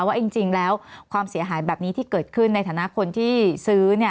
ว่าจริงแล้วความเสียหายแบบนี้ที่เกิดขึ้นในฐานะคนที่ซื้อ